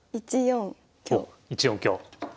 １四香。